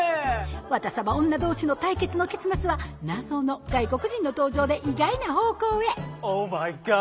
ワタサバ女同士の対決の結末は謎の外国人の登場で意外な方向へオーマイガー。